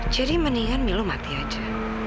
jadi mendingan milu mati aja